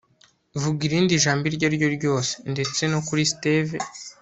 vuga irindi jambo iryo ari ryo ryose - ndetse no kuri steve